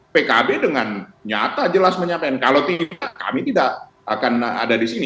pkb dengan nyata jelas menyampaikan kalau tidak kami tidak akan ada di sini